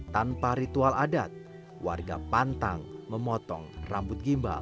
tanpa ritual adat warga pantang memotong rambut gimbal